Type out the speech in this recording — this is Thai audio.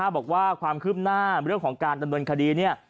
บอกว่าความคืบหน้าเรื่องของการดำเนินคดีเนี่ย